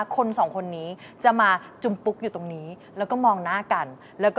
ก็มาซิมาลา